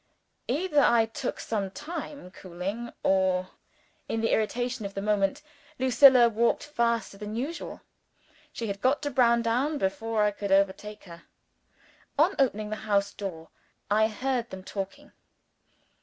Either I took some time to cool or, in the irritation of the moment, Lucilla walked faster than usual. She had got to Browndown before I could overtake her. On opening the house door, I heard them talking.